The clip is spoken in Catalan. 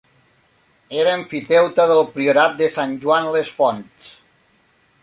Era emfiteuta del priorat de Sant Joan les Fonts.